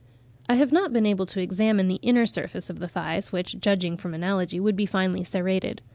I have not been able to examine the inner surface of the thighs, which, judging from analogy, would be finely serrated.